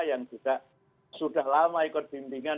yang juga sudah lama ikut bimbingan